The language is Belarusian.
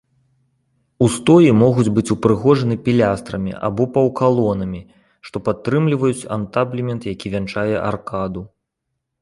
Устоі могуць быць упрыгожаны пілястрамі або паўкалонамі, што падтрымліваюць антаблемент, які вянчае аркаду.